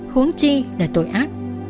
hướng chi là tội ác